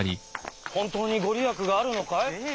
本当に御利益があるのかい？